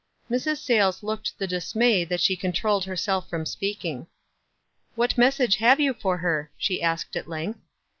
Mrs. Sayles looked the dismay that she con trolled herself from speaking. " What message have you for her ?" she asked, at length.